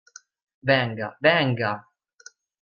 Venga, venga!